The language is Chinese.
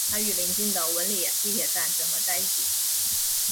它与临近的文礼地铁站整合在一起。